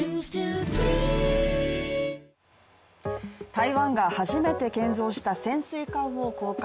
台湾が初めて建造した潜水艦を公開。